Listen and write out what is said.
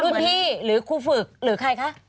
รุ่นพี่หรือครูฝึกหรือใครคะ